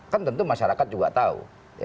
kan tentu masyarakat juga tahu